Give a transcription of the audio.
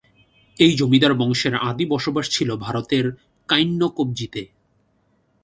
এই জমিদার বংশের আদি বসবাস ছিল ভারতের কাইন্নকব্জিতে।